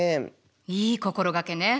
いい心掛けね。